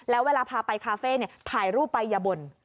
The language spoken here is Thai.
แล้วเวลาพาไปคาเฟ่ถ่ายรูปไปอย่าบ่น